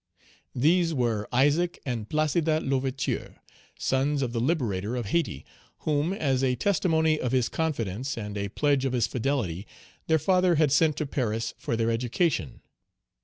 These were Isaac and Placide Page 155 L'Ouverture, sons of the liberator of Hayti, whom, as a testimony of his confidence, and a pledge of his fidelity, their father had sent to Paris for their education.